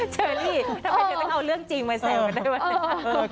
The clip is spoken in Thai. เชอรี่ทำไมเธอต้องเอาเรื่องจริงมาแซวกันได้วันนี้